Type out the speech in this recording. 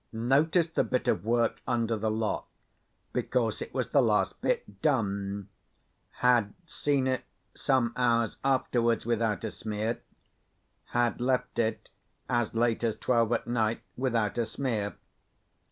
Noticed the bit of work under the lock, because it was the last bit done. Had seen it, some hours afterwards, without a smear. Had left it, as late as twelve at night, without a smear.